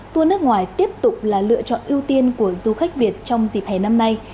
tour nước ngoài tiếp tục là lựa chọn ưu tiên của du khách việt trong dịp hè năm nay